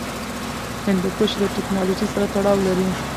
هندوکش له تکنالوژۍ سره تړاو لري.